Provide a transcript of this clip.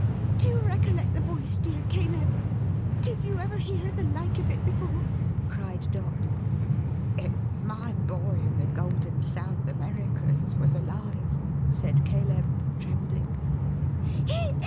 "Do you recollect the voice, dear Caleb? Did you ever hear the like of it before?" cried Dot. "If my boy in the Golden South Americas was alive" said Caleb, trembling.